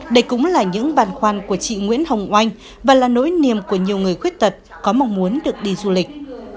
đây cũng là những bàn khoan của chị nguyễn hồng oanh và là nỗi niềm của nhiều người khuyết tật có mong muốn được đi du lịch